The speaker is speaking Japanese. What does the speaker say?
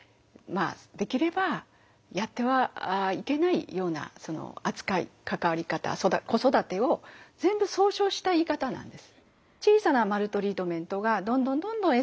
できればやってはいけないような扱い関わり方子育てを全部総称した言い方なんです。